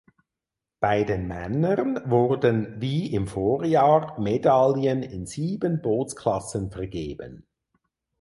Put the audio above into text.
Bei den Männern wurden wie im Vorjahr Medaillen in sieben Bootsklassen vergeben.